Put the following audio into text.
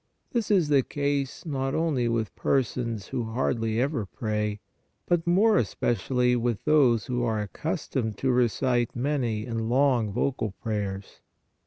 This is the case not only with persons who hardly ever pray, but more especially with those who are accustomed to recite many and long vocal prayers.